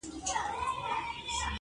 دا چي تللي زموږ له ښاره تر اسمانه.